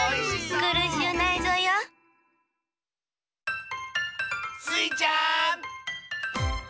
くるしゅうないぞよ。スイちゃん！